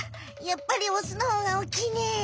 やっぱりオスのほうが大きいね。